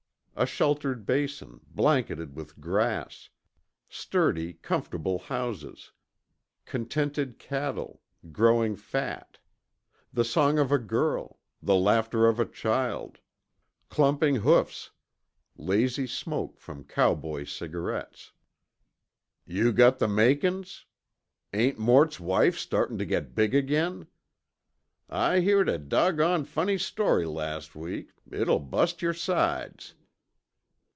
a sheltered basin, blanketed with grass ... sturdy, comfortable houses ... contented cattle, growing fat ... the song of a girl ... the laughter of a child ... clumping hoofs ... lazy smoke from cowboy cigarettes.... "Yew got the makin's?"... "Ain't Mort's wife startin' t'git big again?"... "I heered a doggoned funny story las' week, it'll bust yer sides."...